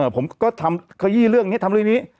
ผมก็ทำขยี้เรื่องนี้ทำเรื่องนี้